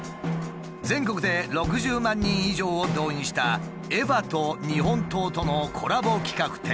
全国で６０万人以上を動員した「エヴァ」と日本刀とのコラボ企画展。